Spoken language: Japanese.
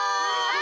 あ！